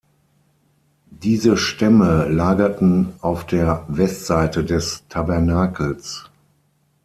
Diese Stämme lagerten auf der Westseite des Tabernakels.